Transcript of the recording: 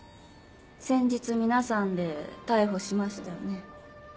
先日皆さんで逮捕しましたよね？